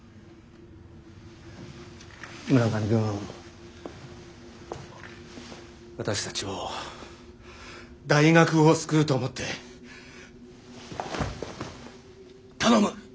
村上くん私たちを大学を救うと思って頼む。